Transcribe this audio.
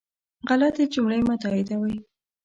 غلطي جملې مه تائیدوئ